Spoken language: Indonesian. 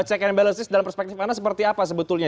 check and balance this dalam perspektif mana seperti apa sebetulnya